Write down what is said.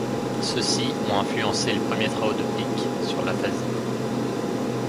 Ceux-ci ont influencé les premiers travaux de Pick sur l'aphasie.